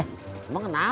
eh emang kenapa